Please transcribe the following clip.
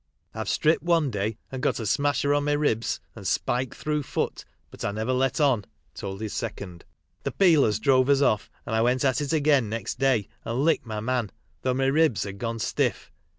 I've stripped one day and got a smasher on my rib3 and spiked thro' foot, but Ineverleton (told his second.) The peelers drove us off and I went at it again next day and licked my man, though my rib3 had gone stiff.